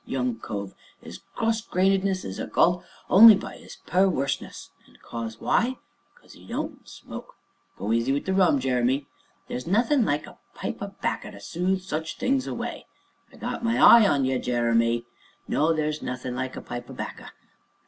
young cove, 'is cross grainedness is ekalled only by 'is per werseness, and 'cause why? 'cause 'e don't smoke (go easy wi' the rum, Jeremy!) there's nothin' like a pipe o' 'bacca to soothe such things away (I got my eye on ye, Jeremy!) no, there's nothin' like a pipe o' 'bacca.